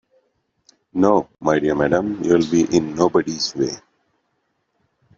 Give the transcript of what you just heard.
No, my dear madam, you will be in nobody's way.